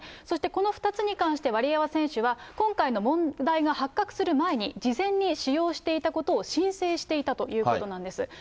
そしてこの２つに関して、ワリエワ選手は、今回の問題が発覚する前に、事前に使用していたことを申請していたということなんです。